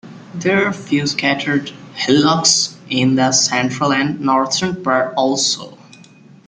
There are a few scattered hillocks in the central and northern parts also.